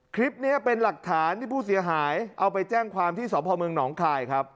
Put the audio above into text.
คลิปนี้เป็นหลักฐานที่ผู้เสียหายเอาไปแจ้งความที่สพเมืองหนองคายครับ